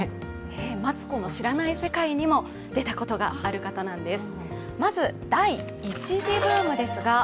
「マツコの知らない世界」にも出たことがある方なんです。